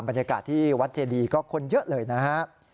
บรรยากาศที่วัดเจดีก็คนเยอะเลยนะฮะ